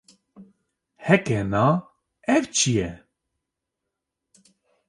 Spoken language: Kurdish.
Heke na, ev çi ye?